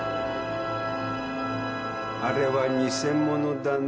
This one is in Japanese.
あれは偽者だね。